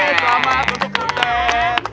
selamat untuk butet